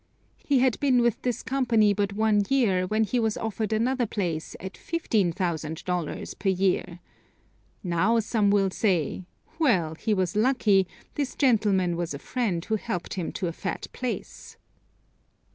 He had been with this company but one year when he was offered another place at $15,000 per year. Now some will say: "Well, he was lucky, this gentleman was a friend who helped him to a fat place."